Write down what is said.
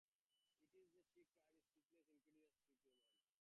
“It is —,” she cried, speechless, incredulous, triumphant.